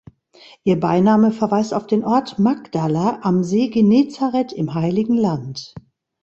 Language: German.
Ihr Beiname verweist auf den Ort Magdala am See Genezareth im Heiligen Land.